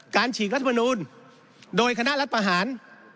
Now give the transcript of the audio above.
ฉีกรัฐมนูลโดยคณะรัฐประหาร